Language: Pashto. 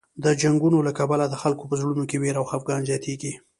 د جنګونو له کبله د خلکو په زړونو کې وېره او خفګان زیاتېږي.